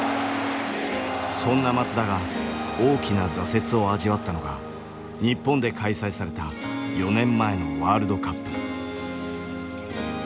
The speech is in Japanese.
そんな松田が大きな挫折を味わったのが日本で開催された４年前のワールドカップ。